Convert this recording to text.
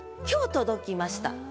今日届きました。